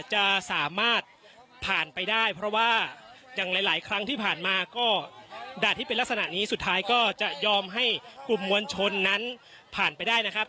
จะสามารถผ่านไปได้เพราะว่าอย่างหลายครั้งที่ผ่านมาก็ด่าที่เป็นลักษณะนี้สุดท้ายก็จะยอมให้กลุ่มมวลชนนั้นผ่านไปได้นะครับ